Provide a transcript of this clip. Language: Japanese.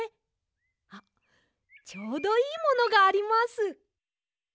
あっちょうどいいものがあります。